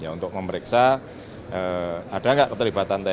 untuk memeriksa ada nggak keterlibatan tni